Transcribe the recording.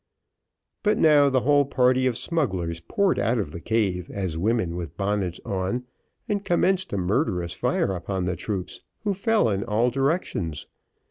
But now the whole party of smugglers poured out of the cave as women with bonnets on, and commenced a murderous fire upon the troops who fell in all directions.